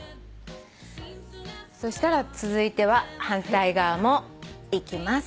そしたら続いては反対側もいきます。